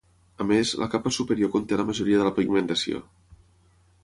A més, la capa superior conté la majoria de la pigmentació.